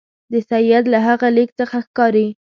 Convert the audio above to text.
د سید له هغه لیک څخه ښکاري.